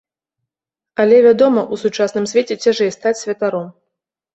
Але, вядома, у сучасным свеце цяжэй стаць святаром.